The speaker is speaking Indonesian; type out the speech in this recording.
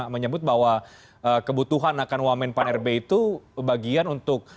menyebut bahwa kebutuhan akan wamen pan rb itu bagian untuk